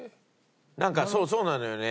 なんかそうなのよね。